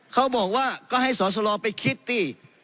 เขาบอกว่าก็ให้สอสลอไปคิดสิ